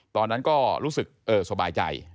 ตอนนั้นก็รู้สึกสบายใจ